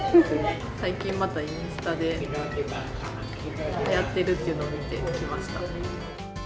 最近、またインスタではやっているっていうのを見て来ました。